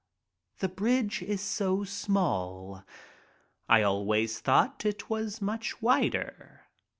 The bridge is so small; I always thought it was much wider.